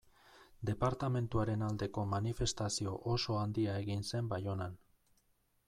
Departamenduaren aldeko manifestazio oso handia egin zen Baionan.